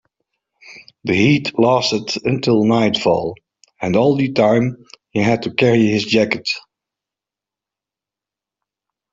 The heat lasted until nightfall, and all that time he had to carry his jacket.